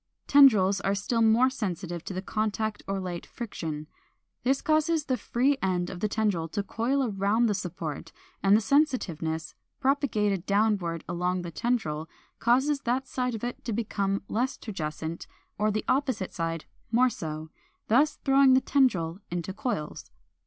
Tendrils are still more sensitive to contact or light friction. This causes the free end of the tendril to coil round the support, and the sensitiveness, propagated downward along the tendril, causes that side of it to become less turgescent or the opposite side more so, thus throwing the tendril into coils.